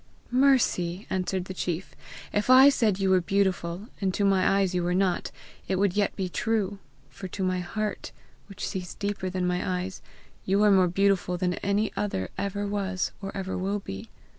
"Mercy!" answered the chief, "if I said you were beautiful, and to my eyes you were not, it would yet be true; for to my heart, which sees deeper than my eyes, you are more beautiful than any other ever was or ever will be.